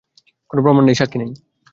কোন প্রমাণ নেই, সাক্ষী নেই।